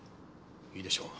いいでしょう。